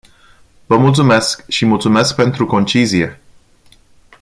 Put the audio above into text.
Vă mulțumesc, și mulțumesc pentru concizie.